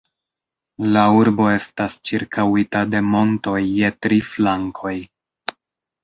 La urbo estas ĉirkaŭita de montoj je tri flankoj.